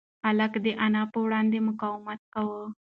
هلک د انا په وړاندې مقاومت کاوه.